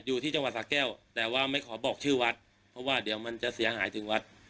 อยู่ที่จังหวัดสะแก้วแต่ว่าไม่ขอบอกชื่อวัดเพราะว่าเดี๋ยวมันจะเสียหายถึงวัด